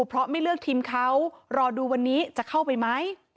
เพราะไม่เลือกทีมเขารอดูวันนี้จะเข้าไปไหม